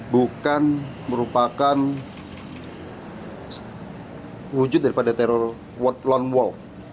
bukan merupakan wujud daripada teror world war